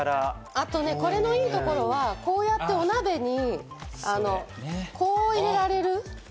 あと、これのいいところは、こうやってお鍋に、こう入れられる。